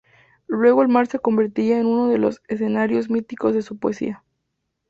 Luego el mar se convertiría en uno de los escenarios míticos de su poesía.